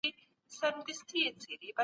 فکري مالکیت باید خوندي وساتل سي.